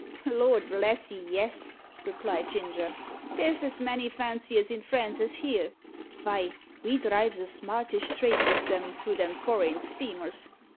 "Lor' bless 'ee, yes," replied Ginger; "there's as many fanciers i' France as here. Vy, ve drives a smartish trade wi' them through them foreign steamers.